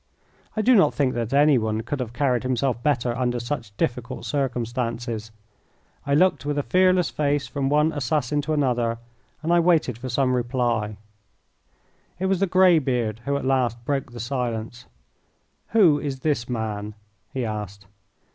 I do not think that anyone could have carried himself better under such difficult circumstances. I looked with a fearless face from one assassin to another, and I waited for some reply. It was the grey beard who at last broke the silence. "Who is this man?" he asked.